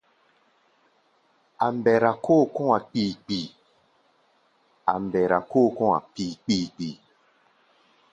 A̧ mbɛra kóo kɔ̧́-a̧ kpii-kpii.